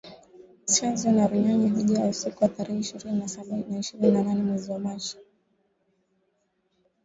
Tchanzu na Runyonyi hujaa usiku wa tarehe ishirni na saba na ishirini na nane mwezi machi